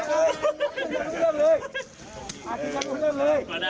ไม่มีวิทยาของนะหมอปลา